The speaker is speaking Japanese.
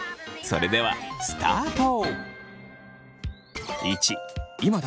それではスタート！